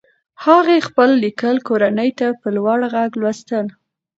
هغې خپل لیکل کورنۍ ته په لوړ غږ لوستل.